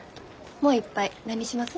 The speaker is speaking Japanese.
もう一杯何にします？